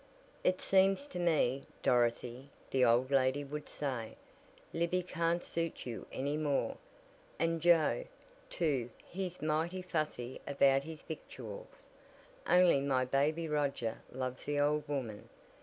"It seems to me, Dorothy," the old lady would say, "Libby can't suit you any more. And Joe, too he's mighty fussy about his victuals. Only my baby Roger loves the old woman!"